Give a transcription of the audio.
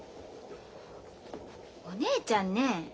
お姉ちゃんね